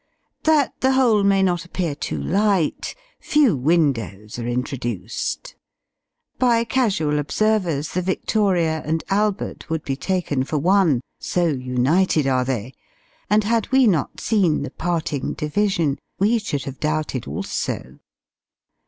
That the whole may not appear too light, few windows are introduced. By casual observers the Victoria and Albert would be taken for one so united are they; and had we not seen the parting division, we should have doubted also.